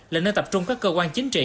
là nơi tập trung các cơ quan chính trị